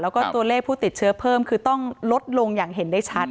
แล้วก็ตัวเลขผู้ติดเชื้อเพิ่มคือต้องลดลงอย่างเห็นได้ชัด